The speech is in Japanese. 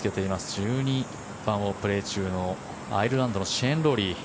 １２番をプレー中のアイルランドのシェーン・ロウリー。